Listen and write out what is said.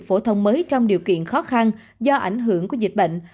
phổ thông mới trong điều kiện khó khăn do ảnh hưởng của dịch bệnh